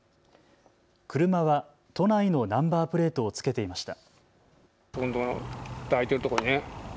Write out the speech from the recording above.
車は都内のナンバープレートを付けていました。